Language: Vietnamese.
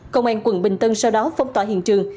công an quận bình tân sau đó phong tỏa hiện trường